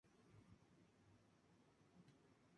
Comenzó su carrera realizando cortometrajes y vídeos.